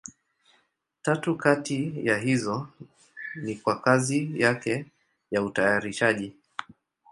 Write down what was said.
Tatu kati ya hizo ni kwa kazi yake ya utayarishaji.